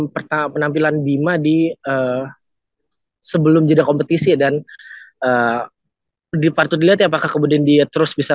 pertama penampilan bima di sebelum jeda kompetisi dan dipatut dilihat ya apakah kemudian dia terus bisa